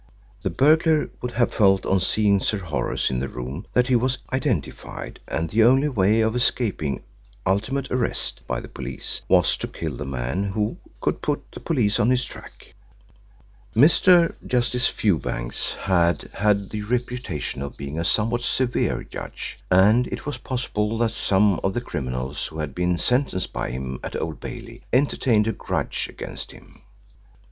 The burglar would have felt on seeing Sir Horace in the room that he was identified, and that the only way of escaping ultimate arrest by the police was to kill the man who could put the police on his track. Mr. Justice Fewbanks had had the reputation of being a somewhat severe judge, and it was possible that some of the criminals who had been sentenced by him at Old Bailey entertained a grudge against him.